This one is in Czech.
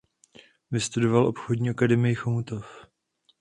Vystudovala Obchodní akademii Chomutov.